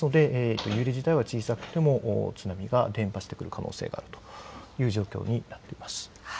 揺れ自体は小さくても津波が伝ぱしてくる可能性があるという状況になっています。